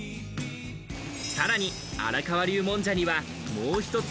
さらに荒川流もんじゃにはもう１つ